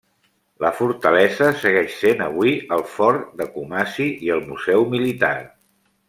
La fortalesa segueix sent avui el fort de Kumasi i el museu militar.